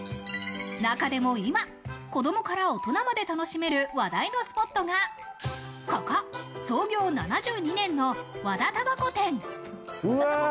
中でも今、子供から大人まで楽しめる話題のスポットがここ、創業７２年の和田たばこ店。